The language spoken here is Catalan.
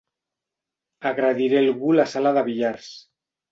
Agrediré algú a la sala de billars.